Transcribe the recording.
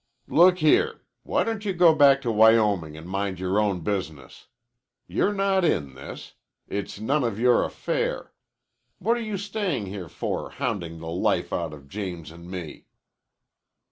"Look here. Why don't you go back to Wyoming and mind your own business? You're not in this. It's none of your affair. What are you staying here for hounding the life out of James and me?"